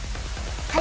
はい！